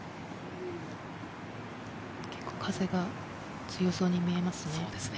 結構、風が強そうに見えます